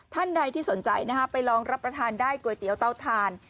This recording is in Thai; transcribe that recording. ท่านใดที่สนใจไปลองรับประทานได้ก๋วยเตี๋ยวเตาทาน